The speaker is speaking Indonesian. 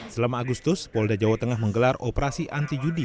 selama agustus polda jawa tengah menggelar operasi anti judi